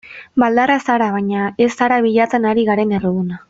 Baldarra zara baina ez zara bilatzen ari garen erruduna.